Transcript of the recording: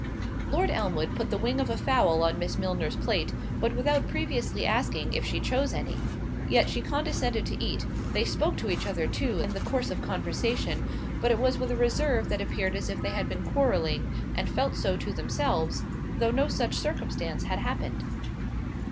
Lord Elmwood put the wing of a fowl on Miss Milner's plate, but without previously asking if she chose any; yet she condescended to eat—they spoke to each other too in the course of conversation, but it was with a reserve that appeared as if they had been quarrelling, and felt so to themselves, though no such circumstance had happened.